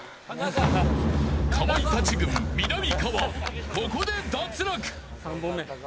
かまいたち軍、みなみかわここで脱落。